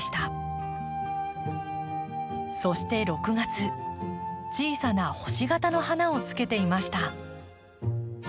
そして６月小さな星形の花をつけていました。